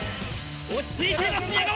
落ち着いています宮川。